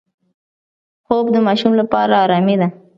خوب د ماشوم لپاره آرامي ده